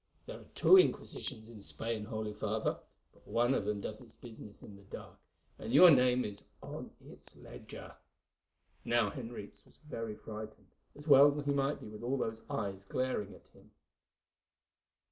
There are two Inquisitions in Spain, holy Father; but one of them does its business in the dark, and your name is on its ledger." Now Henriques was very frightened, as well he might be with all those eyes glaring at him.